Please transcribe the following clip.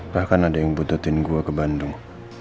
bahkan ada yang bututin gua ke bandung